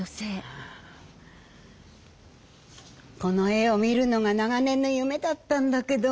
この絵を見るのが長年の夢だったんだけど。